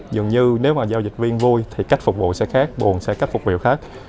dường như nếu mà giao dịch viên vui thì cách phục vụ sẽ khác buồn sẽ cách phục vụ khác